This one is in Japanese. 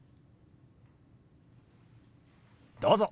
どうぞ。